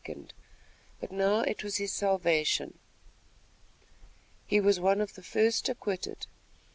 but now it was his salvation. He was one of the first acquitted.